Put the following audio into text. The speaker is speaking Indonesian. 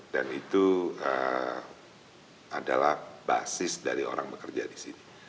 dan itu adalah basis dari orang bekerja di sini